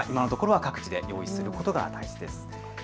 今のところ、各自で用意することが大事です。